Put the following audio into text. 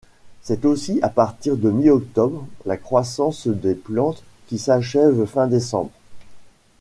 C'est aussi à partir de mi-octobre la croissance des plantes qui s'achèvent fin décembre.